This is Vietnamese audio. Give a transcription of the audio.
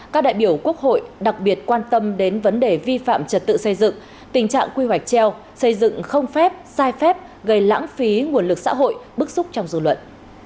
các đại biểu quốc hội đặc biệt quan tâm đến vấn đề vi phạm trật tự xây dựng tình trạng quy hoạch treo xây dựng không phép sai phép gây lãng phí nguồn lực xã hội bức xúc trong dự luận